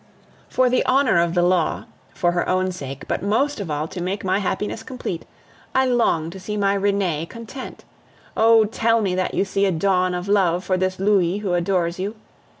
For the honor of the law, for her own sake, but most of all to make my happiness complete, I long to see my Renee content. Oh! tell me that you see a dawn of love for this Louis who adores you!